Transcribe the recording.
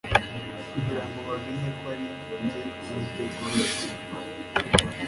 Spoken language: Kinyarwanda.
kugira ngo bamenye ko ari njye Uwiteka ubeza